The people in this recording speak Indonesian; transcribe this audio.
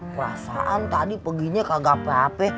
perasaan tadi peginya kagak pape